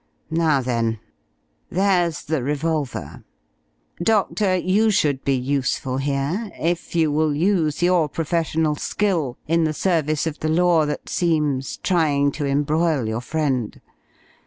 Now then, there's the revolver. Doctor, you should be useful here; if you will use your professional skill in the service of the law that seems trying to embroil your friend.